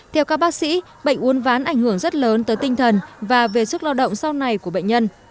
theo các bác sĩ bệnh uốn ván ảnh hưởng rất lớn tới tinh thần và về sức lao động sau này của bệnh nhân